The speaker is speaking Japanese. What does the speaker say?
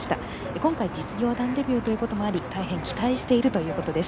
今回、実業団デビューということで大変期待しているということです。